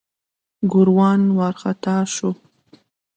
ګوروان وارخطا شو.